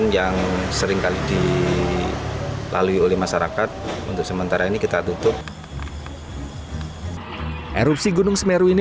yang seringkali dilalui oleh masyarakat untuk sementara ini kita tutup erupsi gunung semeru ini